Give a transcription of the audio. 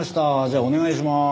じゃあお願いします。